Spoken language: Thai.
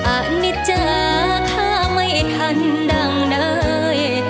อันนี้จ้าข้าไม่ทันดั่งใด